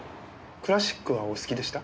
クラシックはお好きでした？